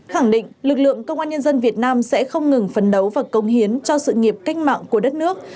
khẳng định lực lượng công an nhân dân việt nam sẽ không ngừng phấn đấu và công hiến cho sự nghiệp cách mạng của đất nước